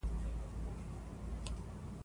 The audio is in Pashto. استاد بينوا له خپل ولس سره مینه درلودله.